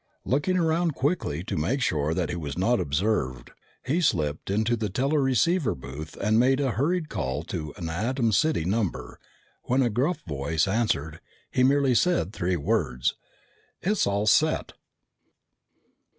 Looking around quickly to make sure that he was not observed, he slipped into the teleceiver booth and made a hurried call to an Atom City number. When a gruff voice answered, he merely said three words: "It's all set!"